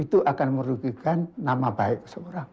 itu akan merugikan nama baik seorang